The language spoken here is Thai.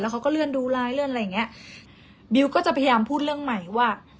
เขาก็เลื่อนดูไลน์เลื่อนอะไรอย่างเงี้ยบิวก็จะพยายามพูดเรื่องใหม่ว่า